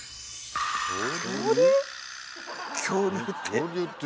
恐竜って？